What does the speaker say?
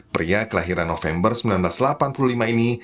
pria kelahiran november seribu sembilan ratus delapan puluh lima ini